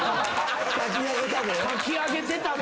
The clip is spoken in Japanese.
かき上げたで。